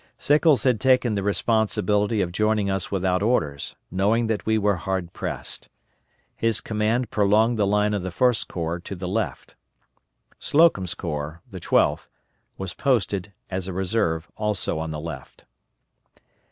Sickles had taken the responsibility of joining us without orders, knowing that we were hard pressed. His command prolonged the line of the First Corps to the left. Slocum's Corps the Twelfth was posted, as a reserve, also on the left.